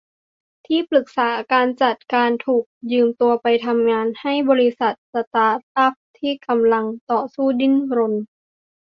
ที่ปรึกษาการจัดการถูกยืมตัวไปทำงานให้บริษัทสตาร์ตอัพที่กำลังต่อสู้ดิ้นรน